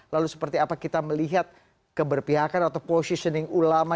lalu seperti apa kita melihat keberpihakan atau positioning ulama